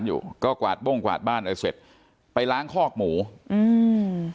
จะดูหลานอยู่ก็กวาดโบ้งกวาดบ้านเลยเสร็จไปล้างคอกหมูอืม